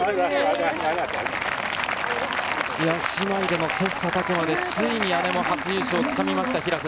姉妹で切磋琢磨でついに姉も初優勝をつかみました。